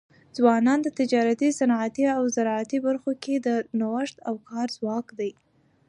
ځوانان د تجارتي، صنعتي او زراعتي برخو کي د نوښت او کار ځواک دی.